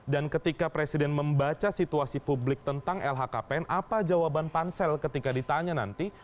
dan ketika presiden membaca situasi publik tentang lhkpn apa jawaban pansel ketika ditanya nanti